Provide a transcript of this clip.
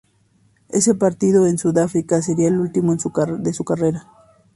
Ese partido en Sudáfrica sería el último de su carrera.